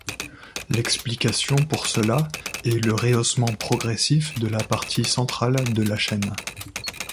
L'explication pour cela est le rehaussement progressif de la partie centrale de la chaine.